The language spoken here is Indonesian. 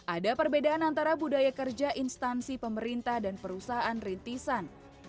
ada perbedaan antara budaya kerja instansi pemerintah dan perusahaan rintisan